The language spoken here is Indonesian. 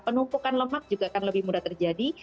penumpukan lemak juga akan lebih mudah terjadi